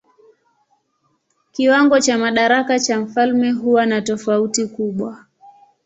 Kiwango cha madaraka cha mfalme huwa na tofauti kubwa.